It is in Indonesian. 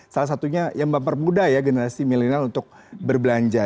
salah satunya yang mempermudah ya generasi milenial untuk berbelanja